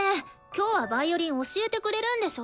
今日はヴァイオリン教えてくれるんでしょ？